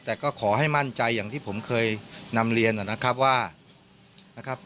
แต่ก็ขอให้มั่นใจอย่างที่ผมเคยนำเรียนนะครับว่านะครับ